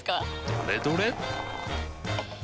どれどれっ！